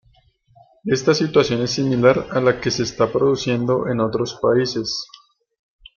Esta situación es similar a la que se está produciendo en otros países.